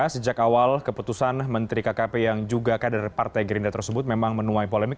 sejak awal keputusan menteri kkp yang juga kader partai gerindra tersebut memang menuai polemik